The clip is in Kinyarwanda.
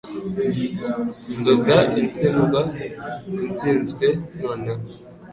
Nduga itsindwa itsinzwe noneho.